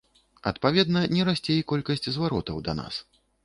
Адпаведна, не расце і колькасць зваротаў да нас.